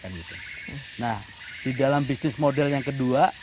nah di dalam bisnis model yang kedua